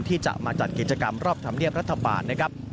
ที่จะมาจัดกิจกรรมรอบธรรมเนียบรัฐบาลนะครับ